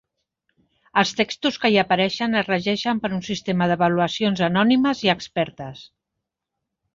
Els textos que hi apareixen es regeixen per un sistema d'avaluacions anònimes i expertes.